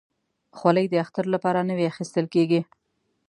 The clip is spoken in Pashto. خولۍ د اختر لپاره نوي اخیستل کېږي.